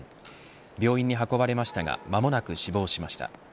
病院に運ばれましたが間もなく死亡しました。